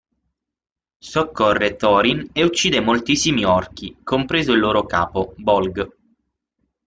Soccorre Thorin e uccide moltissimi orchi, compreso il loro capo, Bolg.